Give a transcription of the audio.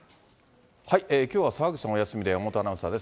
きょうは澤口さん、お休みで山本アナウンサーです。